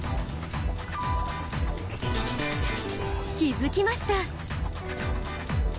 気付きました。